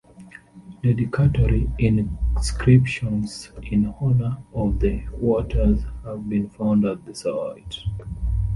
Dedicatory inscriptions in honour of the waters have been found at the site.